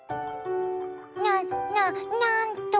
なななんと！